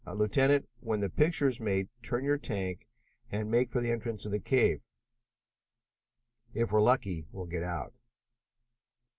Lieutenant, when the picture is made, turn your tank and make for the entrance to the cave. If we are lucky, we'll get out."